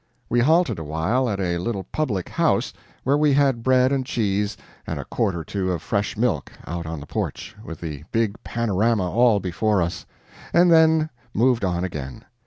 We halted awhile at a little public house, where we had bread and cheese and a quart or two of fresh milk, out on the porch, with the big panorama all before us and then moved on again.